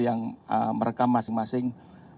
yang merekam masing masing